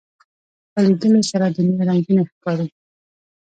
په لیدلو سره دنیا رنگینه ښکاري